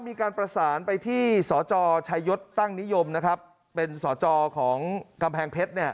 มีการประสานไปที่สจชายยศตั้งนิยมนะครับเป็นสจของกำแพงเพชรเนี่ย